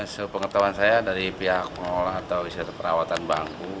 sebuah pengetahuan saya dari pihak penolakan atau perawatan bangku